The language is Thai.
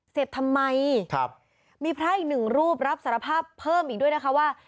ทำไมครับมีพระอีกหนึ่งรูปรับสารภาพเพิ่มอีกด้วยนะคะว่า